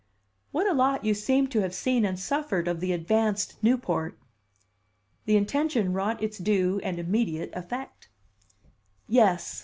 "What a lot you seem to have seen and suffered of the advanced Newport!" The intention wrought its due and immediate effect. "Yes.